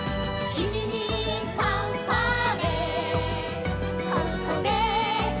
「ここでファンファーレ」